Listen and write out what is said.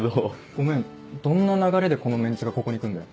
ごめんどんな流れでこのメンツがここに来んだよ。